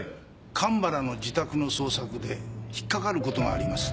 神原の自宅の捜索で引っかかることがあります。